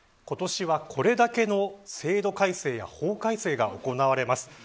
今年は、これだけの制度改正や法改正が行われます。